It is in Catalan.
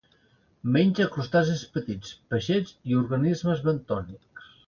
Menja crustacis petits, peixets i organismes bentònics.